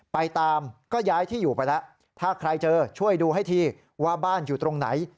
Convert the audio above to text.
ไปตามก็ย้ายที่อยู่ไปแล้วถ้าใครเจอช่วยดูให้ทีว่าบ้านอยู่ตรงไหน